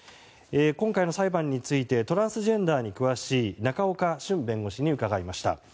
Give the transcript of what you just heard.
今回の裁判についてトランスジェンダーに詳しい仲岡しゅん弁護士に伺いました。